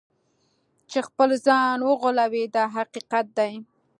چې خپل ځان وغولوي دا حقیقت دی.